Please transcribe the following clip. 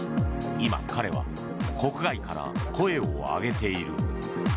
今、彼は国外から声を上げている。